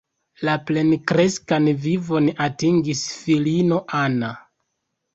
La plenkreskan vivon atingis filino Anna.